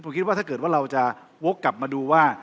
ผมคิดว่าถ้าเกิดว่าเราจะวกกลับมาดูว่า